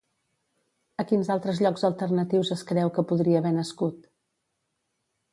A quins altres llocs alternatius es creu que podria haver nascut?